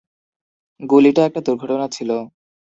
গুলিটা একটা দুর্ঘটনা ছিল।